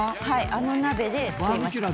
あの鍋で作りました。